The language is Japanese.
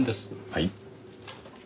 はい。